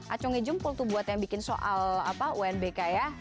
acungi jempol tuh buat yang bikin soal unbk ya